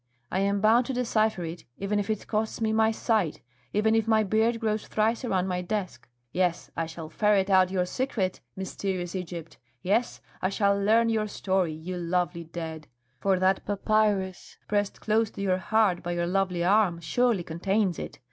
I am bound to decipher it, even if it costs me my sight, even if my beard grows thrice around my desk. Yes, I shall ferret out your secret, mysterious Egypt! Yes, I shall learn your story, you lovely dead; for that papyrus pressed close to your heart by your lovely arm surely contains it.